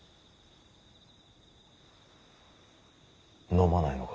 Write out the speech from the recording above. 飲まないのか。